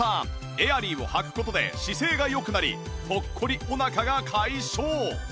エアリーをはく事で姿勢が良くなりポッコリお腹が解消